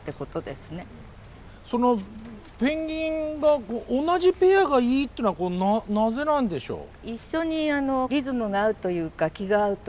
そのペンギンが同じペアがいいってのはなぜなんでしょう？